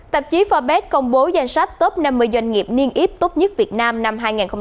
tạp chí forbes công bố danh sách top năm mươi doanh nghiệp niên yếp tốt nhất việt nam năm hai nghìn hai mươi hai